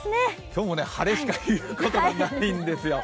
今日も晴れしか言うことがないんですよ。